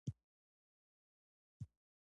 ستړې ځمکې د الفت به څوک سمسورې کړي.